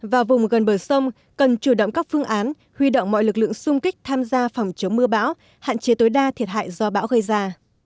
và vùng gần bờ sông cần chủ động các phương án huy động mọi lực lượng xung kích tham gia phòng chống mưa bão hạn chế tối đa thiệt hại do bão gây ra